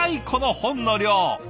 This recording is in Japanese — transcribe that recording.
この本の量。